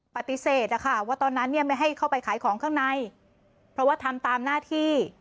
ปฏิเสธนะคะว่าตอนนั้นเนี่ยไม่ให้เข้าไปขายของข้างในเพราะว่าทำตามหน้าที่